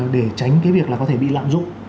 để tránh cái việc là có thể bị lạm dụng